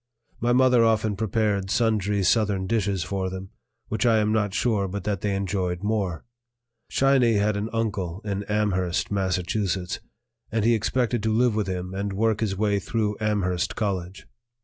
My mother often prepared sundry Southern dishes for them, which I am not sure but that they enjoyed more. "Shiny" had an uncle in Amherst, Mass., and he expected to live with him and work his way through Amherst College.